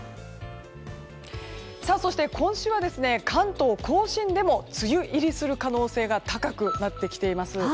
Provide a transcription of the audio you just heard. そして、今週は関東・甲信でも梅雨入りする可能性が高くなってきています。